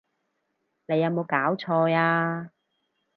你有無攪錯呀！